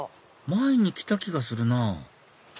前に来た気がするなぁ「３０ｍ」